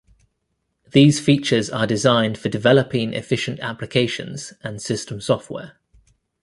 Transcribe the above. These features are designed for developing efficient applications and system software.